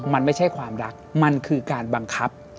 มันไม่ใช่ความรักมันคือการบังคับ